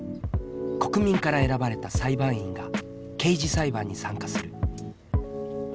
国民から選ばれた裁判員が刑事裁判に参加する。